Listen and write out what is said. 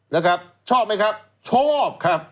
นะครับชอบไหมครับชอบครับ